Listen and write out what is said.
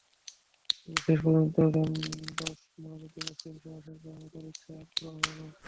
কিন্তু শেষ পর্যন্ত জানবাজ মুজাহিদদের অসীম সাহসের কারণে তার ইচ্ছা আর পূরণ হল না।